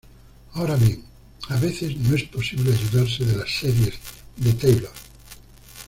Ahora bien, a veces no es posible ayudarse de las series de Taylor.